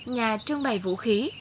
nhà trưng bày vũ khí